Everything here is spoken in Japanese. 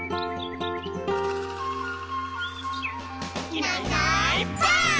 「いないいないばあっ！」